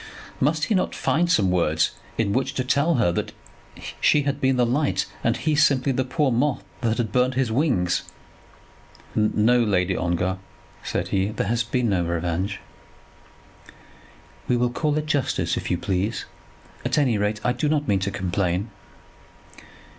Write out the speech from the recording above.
Must he not find some words in which to tell her that she had been the light, and he simply the poor moth that had burned his wings? "No, Lady Ongar," said he, "there has been no revenge." "We will call it justice, if you please. At any rate I do not mean to complain."